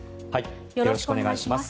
よろしくお願いします。